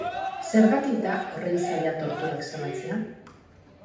Zergatik da horren zaila torturak salatzea?